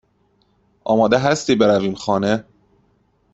آماده هستی برویم خانه؟